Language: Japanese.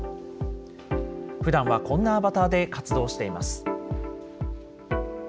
ふだんはこんなアバターで活動しています。